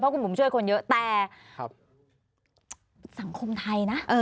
เพราะว่าผมช่วยคนเยอะแต่สังคมไทยนะ